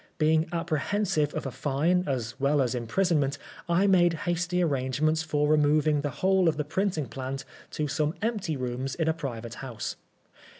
Being apprehensive of a fine as well as imprison ment, I made hasty arrangements for removing the whole of the printing plant to some empty rooms in a private house.